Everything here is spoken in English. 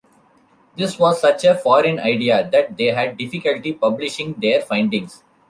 This was such a foreign idea that they had difficulty publishing their findings.